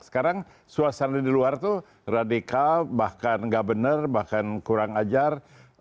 sekarang suasana di luar itu radikal bahkan nggak benar bahkan kurang ajar